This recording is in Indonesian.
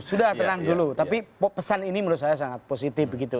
sudah tenang dulu tapi pesan ini menurut saya sangat positif begitu